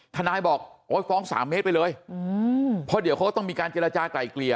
ทนายบอกโอ้ยฟ้อง๓เมตรไปเลยเพราะเดี๋ยวเขาก็ต้องมีการเจรจากลายเกลี่ย